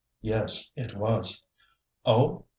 Yes, it was. "Oh!